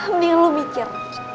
mendingan lo mikir